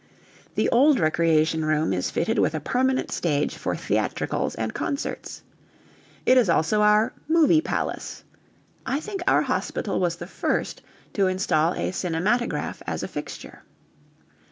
The old recreation room is fitted with a permanent stage for theatricals and concerts. It is also our "Movie Palace." (I think our hospital was the first to instal a cinematograph as a fixture.)